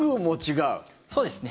そうですね。